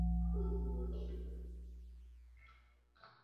赤热下碘化氢与三氯化硼反应也得到三碘化硼。